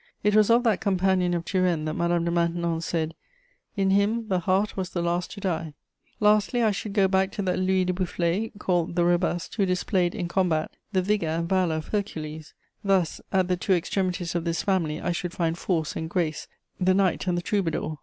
It was of that companion of Turenne that Madame de Maintenon said: "'In him the heart was the last to die.' [Sidenote: My speech continued.] "Lastly, I should go back to that Louis de Boufflers, called the Robust, who displayed in combat the vigour and valour of Hercules. Thus, at the two extremities of this family, I should find force and grace, the knight and the troubadour.